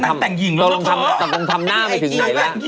ตอนลองทำหน้าไปถึงไหนละ